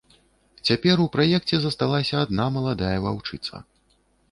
Цяпер у праекце засталася адна маладая ваўчыца.